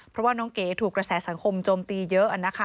เพราะว่าน้องเก๋ถูกกระแสสังคมโจมตีเยอะนะคะ